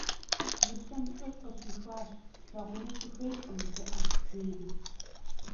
Мыщэм лӀыр къыщихуащ: - «Слъагъуну сыхуейкъым» жыӀэ, - жери.